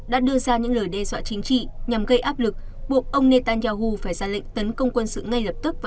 đã đưa ra những lời đe dọa chính trị nhằm gây áp lực buộc ông netanyahu phải ra lệnh tấn công quân sự ngay lập tức